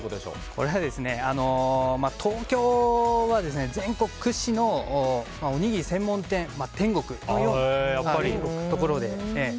これは、東京は全国屈指のおにぎり専門店の天国のようなところで。